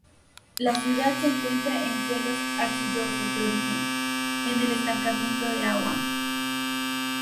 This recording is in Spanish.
La ciudad se encuentra en suelos arcillosos de origen, en el estancamiento de agua.